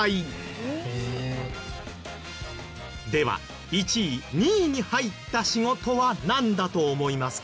では１位２位に入った仕事はなんだと思いますか？